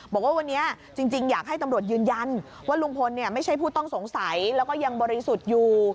บอกว่าวันนี้จริงอยากให้ตำรวจยืนยันว่าลุงพลไม่ใช่ผู้ต้องสงสัยแล้วก็ยังบริสุทธิ์อยู่